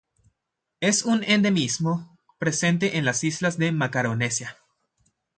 Es un endemismo presente en las islas de Macaronesia.